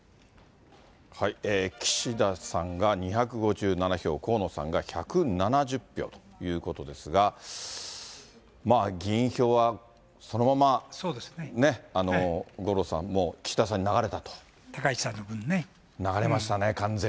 岸田さんが２５７票、河野さんが１７０票ということですが、まあ議員票はそのまま五郎さん、もう岸田さんに流れたと。